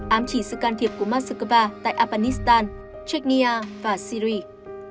ám chỉ sự can thiệp của moskva tại afghanistan chechnya và syria